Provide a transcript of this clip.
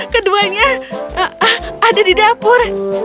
keduanya ada di dapur